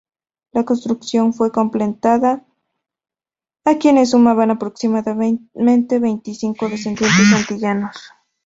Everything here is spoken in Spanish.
La construcción fue completada a quienes sumaban aproximadamente veinticinco descendientes antillanos.